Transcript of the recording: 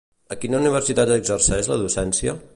A quina universitat exerceix la docència?